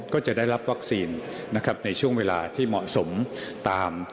ก็จะได้รับวัคซีนนะครับในช่วงเวลาที่เหมาะสมตาม